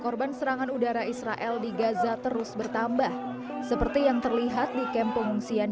korban serangan udara israel di gaza terus bertambah seperti yang terlihat di kamp pengungsian